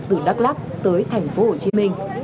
từ đắk lắk tới thành phố hồ chí minh